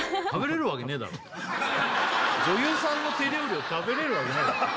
女優さんの手料理を食べれるわけないよ